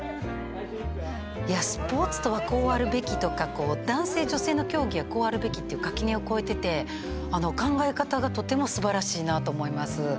いやスポーツとはこうあるべきとか男性・女性の競技はこうあるべきという垣根を越えてて考え方がとてもすばらしいなと思います。